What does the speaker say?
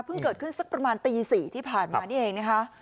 เกิดขึ้นสักประมาณตี๔ที่ผ่านมานี่เองนะคะ